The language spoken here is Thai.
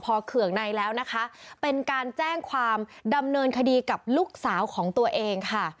พอเคืองในแล้วนะคะเป็นการแจ้งความดำเนินคดีกับลูกสาวของตัวเองค่ะ